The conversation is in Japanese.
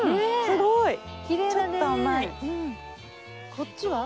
こっちは？